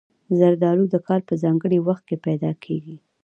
زردالو د کال په ځانګړي وخت کې پیدا کېږي.